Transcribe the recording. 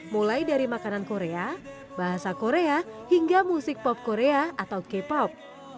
mulai dari makanan korea bahasa korea hingga musik pop korea atau k pop